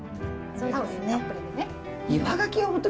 そうですね